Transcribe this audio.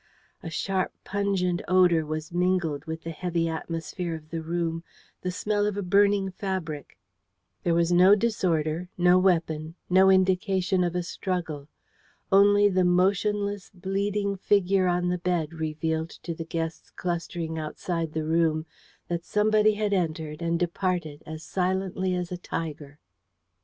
A sharp, pungent odour was mingled with the heavy atmosphere of the room the smell of a burning fabric. There was no disorder, no weapon, no indication of a struggle. Only the motionless, bleeding figure on the bed revealed to the guests clustering outside the room that somebody had entered and departed as silently as a tiger.